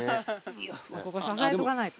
ここ支えとかないと。